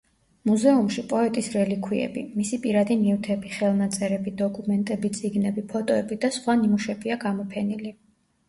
მუზეუმში პოეტის რელიქვიები: მისი პირადი ნივთები, ხელნაწერები, დოკუმენტები, წიგნები, ფოტოები და სხვა ნიმუშებია გამოფენილი.